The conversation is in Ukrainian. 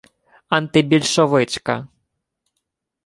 антибільшовичка